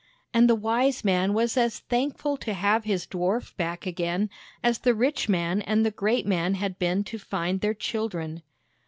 And the wise man was as thankful to have his dwarf back again as the rich man and the great man had been to find their children.